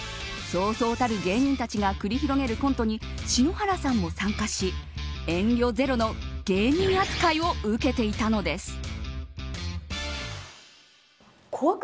そうそうたる芸人たちが繰り広げるコントに篠原さんも参加し遠慮ゼロの芸人扱いを受けていたのです。